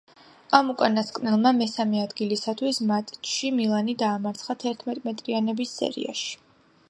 ამ უკანასკნელმა მესამე ადგილისათვის მატჩში „მილანი“ დაამარცხა თერთმეტრიანების სერიაში.